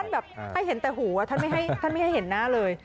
แบบให้เห็นแต่หูท่านไม่ให้เห็นหน้าเลย